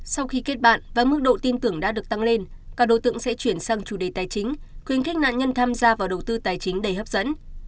sau khi kết bạn và mức độ tin tưởng đã được tăng lên các đối tượng sẽ chuyển sang chủ đề tài chính khuyến khích nạn nhân tham gia vào đầu tư tài chính đầy hấp dẫn